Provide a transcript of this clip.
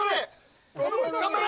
頑張れ！